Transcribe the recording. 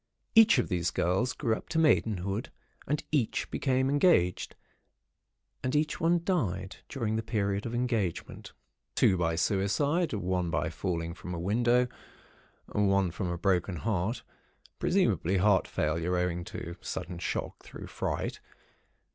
Each of these girls grew up to Maidenhood, and each became engaged, and each one died during the period of engagement, two by suicide, one by falling from a window, one from a "broken heart" (presumably heart failure, owing to sudden shock through fright).